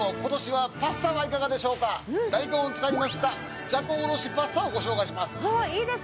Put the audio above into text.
大根を使いましたじゃこおろしパスタをご紹介します。